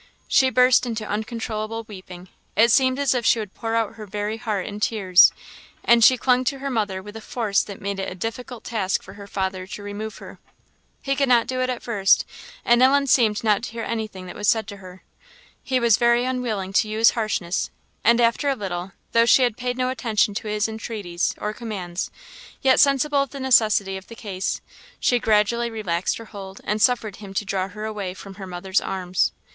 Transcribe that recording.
She burst into uncontrollable weeping; it seemed as if she would pour out her very heart in tears; and she clung to her mother with a force that made it a difficult task for her father to remove her. He could not do it at first; and Ellen seemed not to hear any thing that was said to her. He was very unwilling to use harshness; and after a little, though she had paid no attention to his entreaties or commands, yet, sensible of the necessity of the case, she gradually relaxed her hold and suffered him to draw her away from her mother's arms.